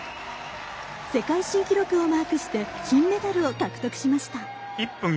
世界新記録をマークして金メダルを獲得しました。